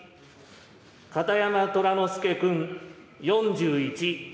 片山虎之助君４１。